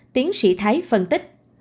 tiến sĩ thái phân tích